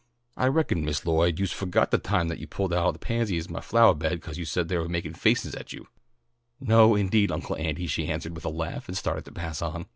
I reckon, Miss Lloyd, youse forgot the time that you pulled up all the pansies in my flowah beds 'cause you said they was makin' faces at you." "No, indeed, Uncle Andy," she answered with a laugh, and started to pass on.